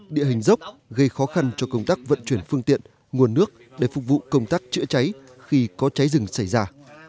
địa hình dốc gây khó khăn cho công tác vận chuyển phương tiện nguồn nước để phục vụ công tác chữa cháy khi có cháy rừng xảy ra